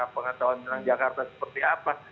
pengetahuan tentang jakarta seperti apa